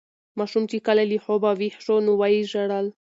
ماشوم چې کله له خوبه ویښ شو نو ویې ژړل.